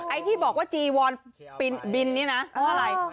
ไอ้ที่บอกว่าจีวอนบินนี่นะเพราะอะไร